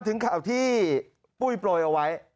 ถึงข่าวที่ปุ้ยโปรยเอาไว้